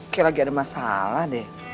kira lagi ada masalah deh